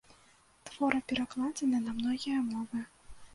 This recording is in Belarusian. Творы перакладзены на многія мовы.